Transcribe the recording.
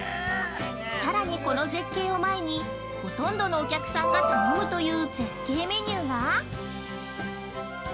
さらにこの絶景を前にほとんどのお客さんが頼むという景メニューが。